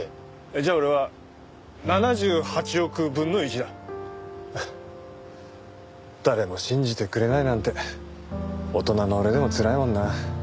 じゃあ俺は７８億分の１だ。誰も信じてくれないなんて大人の俺でもつらいもんな。